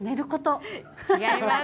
違います。